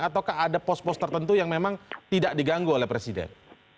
ataukah ada pos pos tertentu yang memang tidak diganggu oleh presiden